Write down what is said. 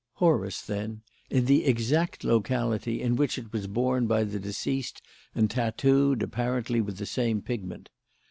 "Horus, then in the exact locality in which it was borne by the deceased and tattooed, apparently, with the same pigment.